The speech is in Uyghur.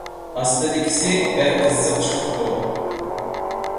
ئاستىدىكىسى بەك قىزىق چىقىپتۇ.